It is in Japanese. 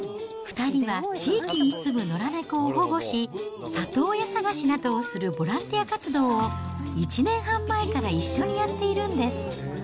２人は地域に住む野良猫を保護し、里親探しなどをするボランティア活動を、１年半前から一緒にやっているんです。